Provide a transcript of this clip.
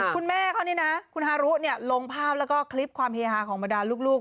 คุณแม่เขานี่นะคุณฮารุลงภาพแล้วก็คลิปความเฮฮาของบรรดาลูก